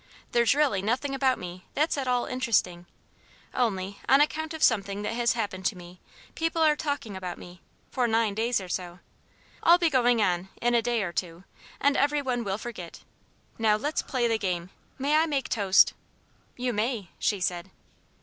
There's really nothing about me that's at all interesting; only, on account of something that has happened to me, people are talking about me for nine days or so. I'll be going on, in a day or two, and every one will forget. Now let's play the game. May I make toast?" "You may," she said.